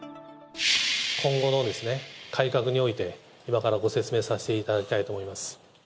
今後の改革において、今からご説明させていただきたいと思います。